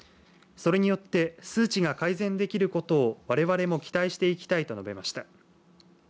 それによって数値が改善できることをわれわれも期待していきたいと述べました。